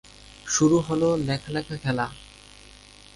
শুরু হলো লেখা লেখা খেলা।